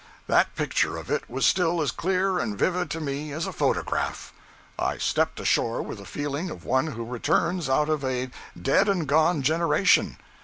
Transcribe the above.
That picture of it was still as clear and vivid to me as a photograph. I stepped ashore with the feeling of one who returns out of a dead and gone generation.